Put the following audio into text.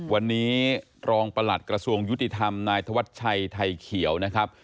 วันนี้รองประหลัดกระทรวงยุติธรรมนายธวัชชัยไทยเขียวนะครับ